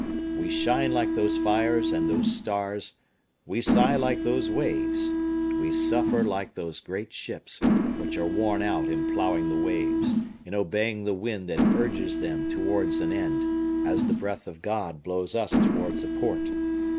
We shine like those fires and those stars; we sigh like those waves; we suffer like those great ships, which are worn out in plowing the waves, in obeying the wind that urges them towards an end, as the breath of God blows us towards a port.